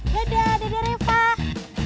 dadah dadah revah